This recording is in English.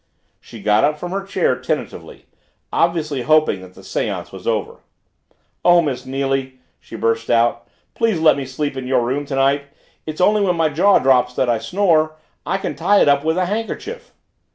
She got up from her chair tentatively, obviously hoping that the seance was over. "Oh, Miss Neily," she burst out. "Please let me sleep in your room tonight! It's only when my jaw drops that I snore I can tie it up with a handkerchief!"